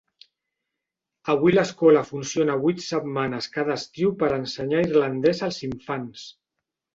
Avui l'escola funciona vuit setmanes cada estiu per a ensenyar irlandès als infants.